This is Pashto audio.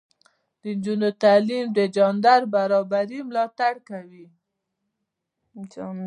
د نجونو تعلیم د جنډر برابري ملاتړ کوي.